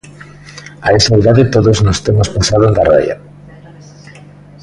A esa idade todos nos temos pasado da raia.